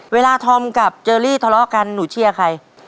เวลาทอมกับเจอรี่ทะเลาะกันหนูเชี่ยใคร